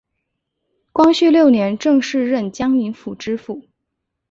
光绪六年正式任江宁府知府。